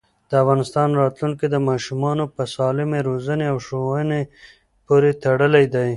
د افغانستان راتلونکی د ماشومانو په سالمې روزنې او ښوونې پورې تړلی دی.